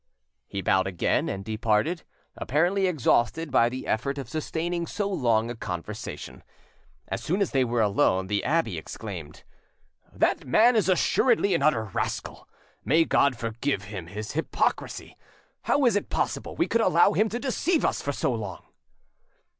He bowed again and departed, apparently exhausted by the effort of sustaining so long a conversation. As soon as they were alone, the abbe exclaimed— "That man is assuredly an utter rascal! May God forgive him his hypocrisy! How is it possible we could allow him to deceive us for so long?"